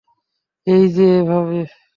এই যে, এভাবে।